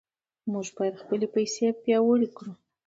موږ باید خپلې پیسې پیاوړې کړو.